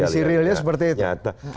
kondisi realnya seperti itu